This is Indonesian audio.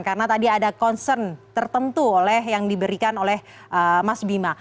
karena tadi ada concern tertentu yang diberikan oleh mas bima